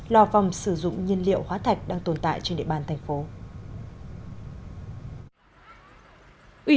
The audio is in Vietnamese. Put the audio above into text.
lò vòng sử dụng nhiên liệu hóa thạch đang tồn tại trên địa bàn tp hcm